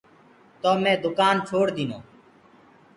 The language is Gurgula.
تو مي دُڪآن ڇوڙديٚنو۔